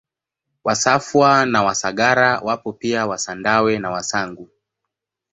Wasafwa na Wasagara wapo pia Wasandawe na Wasangu